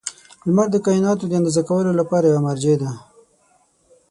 • لمر د کایناتو د اندازه کولو لپاره یوه مرجع ده.